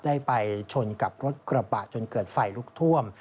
ได้ไปชนกับรถกระบะจนเกิดไฟลุกท่วม